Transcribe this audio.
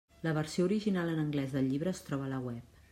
La versió original en anglès del llibre es troba a la web.